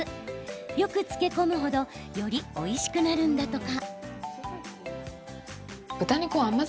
よく漬け込む程よりおいしくなるんだとか。